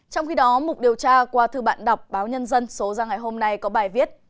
trong khi đó một điều tra qua thư bạn đọc báo nhân dân số ra ngày hôm nay có bài viết